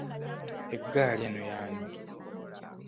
Eggali eno y’ani?